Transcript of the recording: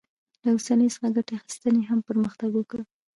له اوسپنې څخه ګټې اخیستنې هم پرمختګ وکړ.